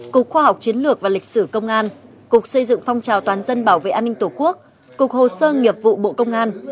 cục khoa học chiến lược và lịch sử công an cục xây dựng phong trào toàn dân bảo vệ an ninh tổ quốc cục hồ sơ nghiệp vụ bộ công an